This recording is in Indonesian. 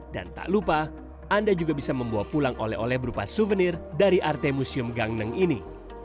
dan tak lupa anda juga bisa membawa pulang oleh oleh berupa suvenir dari arte museum gangneng ini